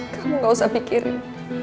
kamu gak usah pikirin